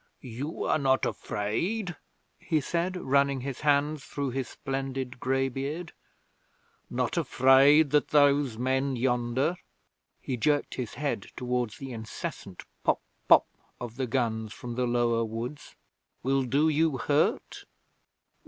'You are not afraid?' he said, running his hands through his splendid grey beard. 'Not afraid that those men yonder' he jerked his head towards the incessant pop pop of the guns from the lower woods 'will do you hurt?'